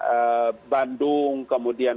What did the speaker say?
ee bandung kemudian